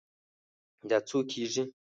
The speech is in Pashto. دا څو کیږي؟